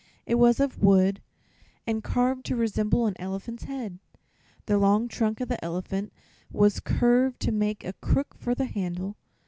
It was of wood and carved to resemble an elephant's head. The long trunk of the elephant was curved to make a crook for the handle.